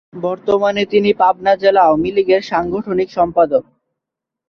বর্তমানে তিনি পাবনা জেলা আওয়ামী লীগের সাংগঠনিক সম্পাদক।